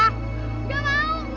nggak mau nggak mau